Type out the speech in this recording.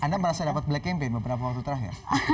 anda merasa dapat black campaign beberapa waktu terakhir